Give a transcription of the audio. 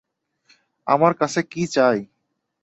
আমার কাছে কি চায়?